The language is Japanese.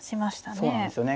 そうなんですよね。